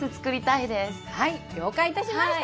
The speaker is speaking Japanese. はい了解いたしました！